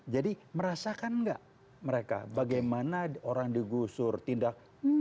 jadi merasakan gak mereka bagaimana orang digusur tindak